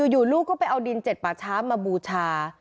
อยู่ลูกก็ไปเอาดินเจ็ดป่าช้ามาบูชา